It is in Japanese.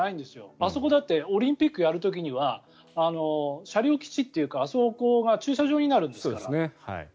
あそこだってオリンピックをやる時には車両基地というか、あそこが駐車場になるんですから。